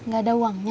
gak ada uangnya